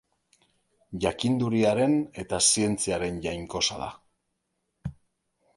Jakinduriaren eta zientziaren jainkosa da.